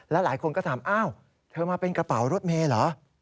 หลายคนก็ถามอ้าวเธอมาเป็นกระเป๋ารถเมย์เหรอ